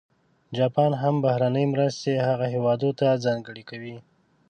جاپان هم بهرنۍ مرستې هغه هېوادونه ته ځانګړې کوي.